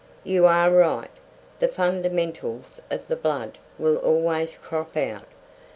"You are right. The fundamentals of the blood will always crop out.